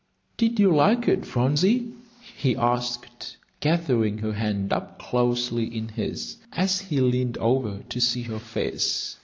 "Did you like it, Phronsie?" he asked, gathering her hand up closely in his, as he leaned over to see her face.